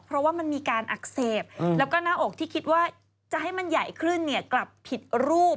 เพราะว่ามันมีการอักเสบแล้วก็หน้าอกที่คิดว่าจะให้มันใหญ่ขึ้นกลับผิดรูป